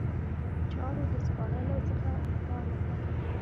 چارو د سپارلو څخه انکار وکړ.